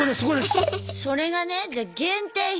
それがねじゃあ限定品